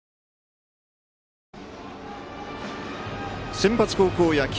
センバツ高校野球